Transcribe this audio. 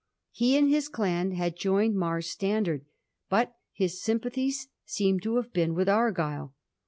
He and his clan had joined Mar's standard, but his sym pathies seem to have been with Argyll.